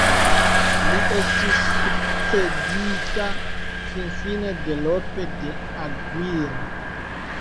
Li estis sukcedita finfine de Lope de Aguirre.